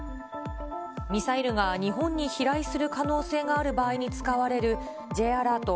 ミサイルが日本に飛来する可能性がある場合に使われる、Ｊアラート